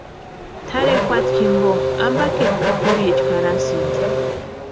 Tʼarhe juata jimpo ampakiti pʼukuriecha jarhasti.